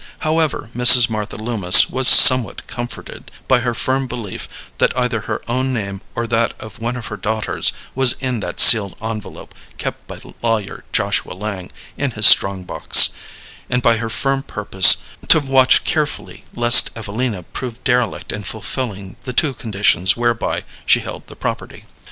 However, Mrs. Martha Loomis was somewhat comforted by her firm belief that either her own name or that of one of her daughters was in that sealed envelope kept by Lawyer Joshua Lang in his strong box, and by her firm purpose to watch carefully lest Evelina prove derelict in fulfilling the two conditions whereby she held the property.